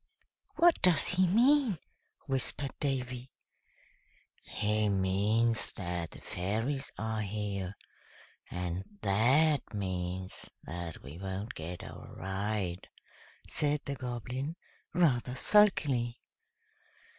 "What does he mean?" whispered Davy. "He means that the fairies are here, and that means that we won't get our ride," said the Goblin, rather sulkily.